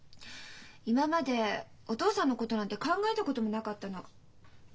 今までお父さんのことなんて考えたこともなかったの。